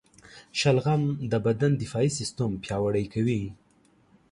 شلغم د بدن دفاعي سیستم پیاوړی کوي.